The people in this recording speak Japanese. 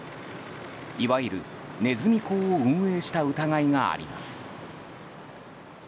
いわゆるネズミ講を運営した疑いがあります。